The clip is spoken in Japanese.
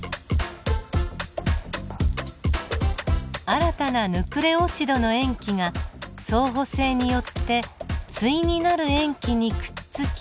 新たなヌクレオチドの塩基が相補性によって対になる塩基にくっつき。